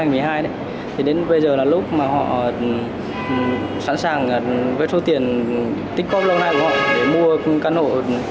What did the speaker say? thì đến bây giờ là lúc mà họ sẵn sàng với số tiền tích cóp lâu nay của họ